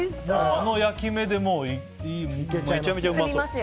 あの焼き目でめちゃめちゃうまそう。